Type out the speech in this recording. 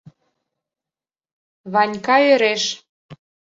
— Ванька ӧреш.